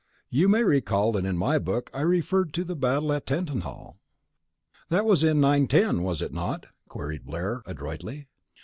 You may recall that in my book I referred to the battle at Tettenhall " "That was in 910, was it not?" queried Blair, adroitly.